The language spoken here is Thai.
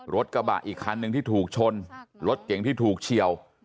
รถกระบะอีกคันหนึ่งที่ถูกชนรถเก่งที่ถูกเฉียว